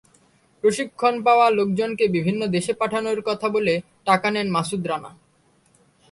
প্রশিক্ষণ পাওয়া লোকজনকে বিভিন্ন দেশে পাঠানোর কথা বলে টাকা নেন মাসুদ রানা।